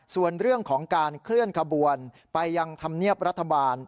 ส่วนเรื่องของการเคลื่อนขบวนไปยังธรรมเนียบรัฐบาล